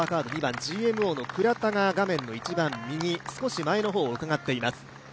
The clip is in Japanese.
２番のＧＭＯの倉田が画面の一番右、少し前のほうをうかがっています。